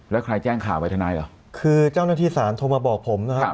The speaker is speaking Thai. แล้วใครแจ้งข่าวไปทนายเหรอคือเจ้าหน้าที่ศาลโทรมาบอกผมนะครับ